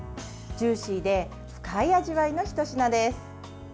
ジューシーで深い味わいのひと品です。